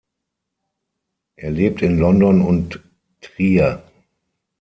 Er lebt in London und Trier.